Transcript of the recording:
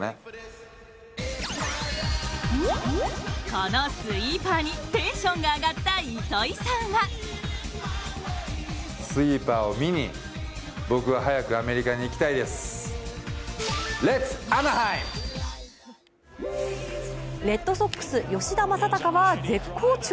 このスイーパーにテンションが上がった糸井さんはレッドソックス吉田正尚は絶好調。